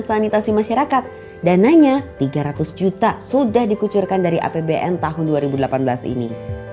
sanitasi masyarakat dananya tiga ratus juta sudah dikucurkan dari apbn tahun dua ribu delapan belas ini